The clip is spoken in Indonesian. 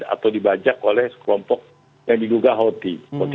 atau dibajak oleh kelompok yang diduga houthi